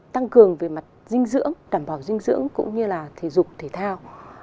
tăng cường về mặt dinh dưỡng đảm bảo dinh dưỡng cũng như là thể dục thể thao